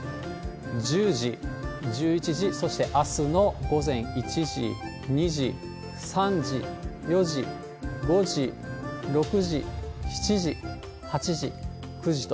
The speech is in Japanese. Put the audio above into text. １０時、１１時、そしてあすの午前１時、２時、３時、４時、５時、６時、７時、８時、９時と。